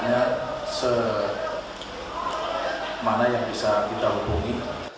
hanya mana yang bisa kita hubungi